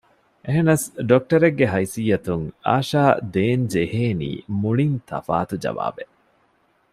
އެހެނަސް ޑޮކްޓަރެއްގެ ހައިސިއްޔަތުން އާޝާ ދޭން ޖެހޭނީ މުޅިން ތަފާތު ޖަވާބެއް